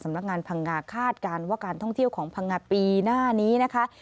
นักงานพังงาคาดการณ์ว่าการท่องเที่ยวของพังงาปีหน้านี้นะคะ